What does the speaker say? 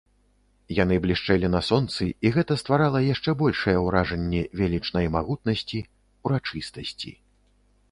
Яны блішчэлі на сонцы, і гэта стварала яшчэ большае ўражанне велічнай магутнасці, урачыстасці.